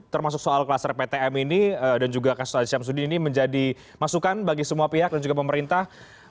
termasuk soal kluster ptm ini dan juga kasus aziz syamsuddin ini menjadi masukan bagi semua pihak dan juga pemerintah